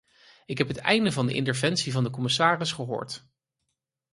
Ik heb het einde van de interventie van de commissaris gehoord.